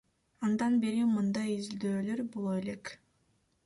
Андан бери мындай изилдөөлөр боло элек.